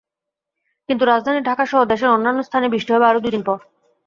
কিন্তু রাজধানী ঢাকাসহ দেশের অন্যান্য স্থানে বৃষ্টি হবে আরও দুদিন পর।